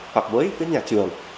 hoặc với cái nhà trường